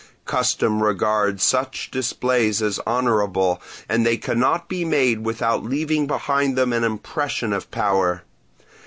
Custom regards such displays as honourable, and they cannot be made without leaving behind them an impression of power.